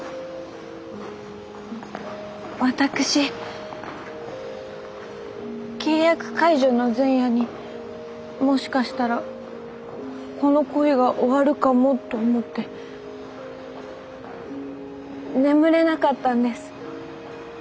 私契約解除の前夜にもしかしたらこの恋が終わるかもと思って眠れなかったんです。